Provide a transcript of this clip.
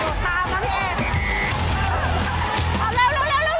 เอาเงินมาท้ากับเข่าเขา